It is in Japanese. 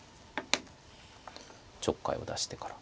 ちょっかいを出してから。